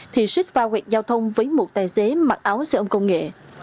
thì xích vào huyệt giao thông với một tài xế mặc áo xe ôm công nghệ